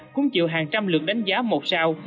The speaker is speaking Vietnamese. cũng chịu hàng trăm lượng đánh giá một sao